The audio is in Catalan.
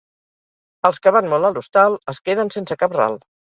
Els que van molt a l'hostal es queden sense cap ral.